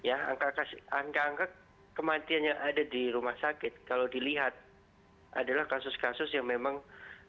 angka angka kematian yang ada di rumah sakit kalau dilihat adalah kasus kasus yang memang tidak terlalu tinggi